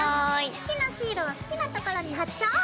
好きなシールを好きなところに貼っちゃおう！